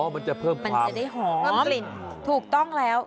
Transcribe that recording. อ๋อมันจะเพิ่มความมันจะได้หอมถูกต้องแล้ว